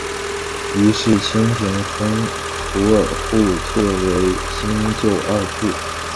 于是清廷分土尔扈特为新旧二部。